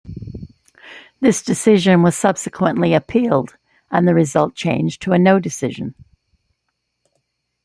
This decision was subsequently appealed and the result changed to a No Decision.